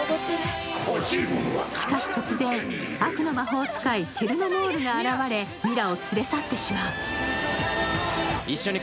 しかし突然、悪の魔法使い・チェルノモールが現れミラを連れ去ってしまう。